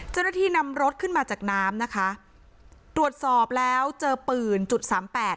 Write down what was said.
เจ้าหน้าที่นำรถขึ้นมาจากน้ำนะคะตรวจสอบแล้วเจอปืนจุดสามแปด